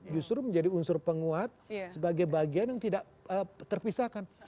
justru menjadi unsur penguat sebagai bagian yang tidak terpisahkan